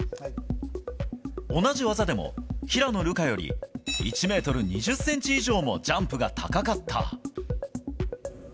同じ技でも、平野流佳より１ｍ２０ｃｍ以上もジャンプが高かった。